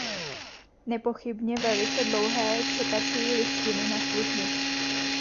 Nepochybně velice dlouhé čekací listiny na služby.